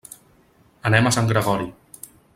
Anem a Sant Gregori.